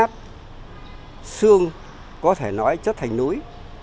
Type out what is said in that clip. sát xương có thể nói chất thành núi